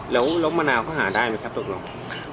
แล้วมะนาวเขาหาได้ไหมครับตกลง